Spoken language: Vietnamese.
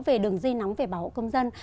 về đường dây nóng về bảo hộ công dân